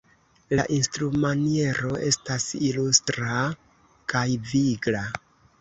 La instrumaniero estas ilustra kaj vigla.